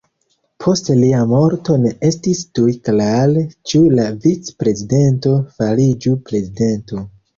Post lia morto ne estis tuj klare ĉu la vic-predizento fariĝu prezidento.